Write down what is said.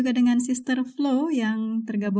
marilah siapa yang mau